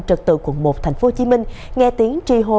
trực tự quận một tp hcm nghe tiếng tri hồ